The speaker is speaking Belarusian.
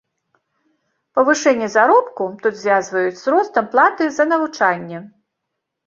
Павышэнне заробку тут звязваюць з ростам платы за навучанне.